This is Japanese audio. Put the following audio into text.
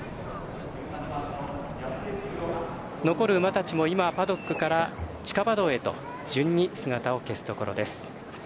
残る馬たちもパドックから地下馬道へと順に姿を消すところです。